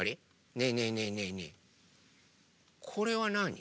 ねえねえねえねえねえこれはなに？